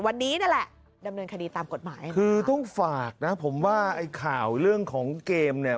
วันนี้นั่นแหละดำเนินคดีตามกฎหมายคือต้องฝากนะผมว่าไอ้ข่าวเรื่องของเกมเนี่ย